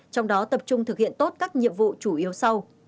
trong đó tập trung thực hiện tốt các nhiệm vụ chủ yếu sau